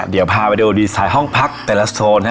เดี๋ยวพาไปดูดีไซน์ห้องพักแต่ละโซน